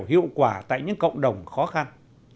hiệu quả tại những cộng đồng khó khăn